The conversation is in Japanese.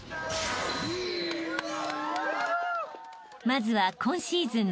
［まずは今シーズン］